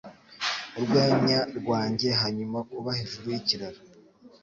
Urwenya rwanjye Hanyuma kuba hejuru yikiraro